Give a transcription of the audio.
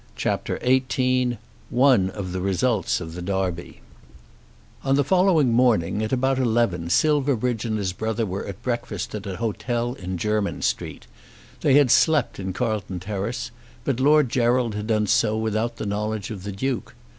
CHAPTER XVIII One of the Results of the Derby On the following morning at about eleven Silverbridge and his brother were at breakfast at an hotel in Jermyn Street. They had slept in Carlton Terrace, but Lord Gerald had done so without the knowledge of the Duke.